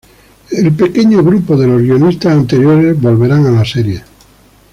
Un pequeño grupo de los guionistas anteriores volverán a la serie.